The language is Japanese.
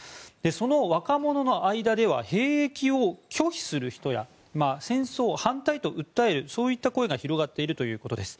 その若者の間では兵役を拒否する人や戦争反対と訴えるそういった声が広がっているということです。